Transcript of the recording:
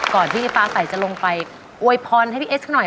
ก่อนที่ป๊าไก่จะลงไปอวยพรให้พี่เอสสักหน่อย